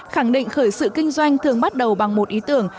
khẳng định khởi sự kinh doanh thường bắt đầu bằng một ý tưởng